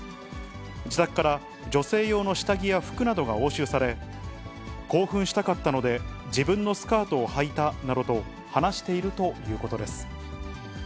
自宅から女性用の下着や服などが押収され、興奮したかったので、自分のスカートをはいたなどと話しているということです。